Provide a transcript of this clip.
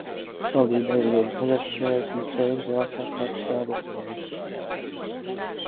Valdība aizliedz azartspēles un spēļu zāles ārkārtas stāvokļa dēļ.